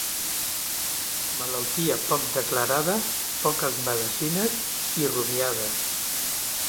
Malaltia poc declarada, poques medecines i rumiades.